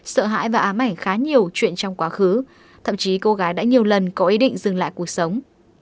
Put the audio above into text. sợ hãi và ám ảnh khá nhiều chuyện trong quá khứ thậm chí cô gái đã nhiều lần có ý định dừng lại cuộc sống